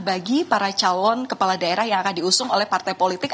bagi para calon kepala daerah yang akan diusung oleh partai politik